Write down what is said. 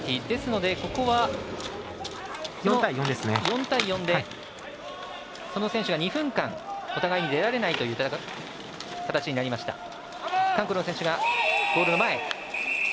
ですので、ここは４対４でその選手は２分間お互いに出られないという形になりました。